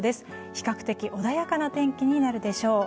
比較的穏やかな天気になるでしょう。